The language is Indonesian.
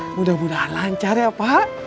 mudah mudahan lancar ya pak